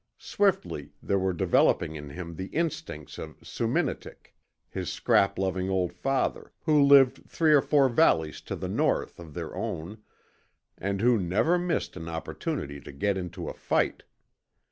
Swiftly there were developing in him the instincts of Soominitik, his scrap loving old father, who lived three or four valleys to the north of their own, and who never missed an opportunity to get into a fight.